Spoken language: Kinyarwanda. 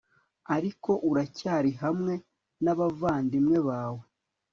ariko uracyari 'hamwe nabavandimwebawe